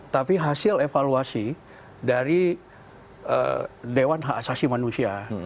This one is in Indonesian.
tapi hasil evaluasi dari dewan hak asasi manusia